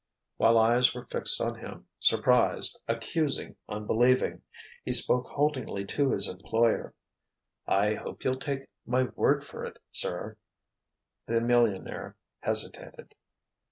While eyes were fixed on him, surprised, accusing, unbelieving, he spoke haltingly to his employer: "I hope you'll take my word for it, sir." The millionaire hesitated.